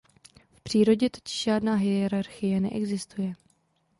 V přírodě totiž žádná hierarchie neexistuje.